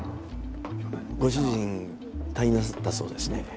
ご主人退院なさったそうですね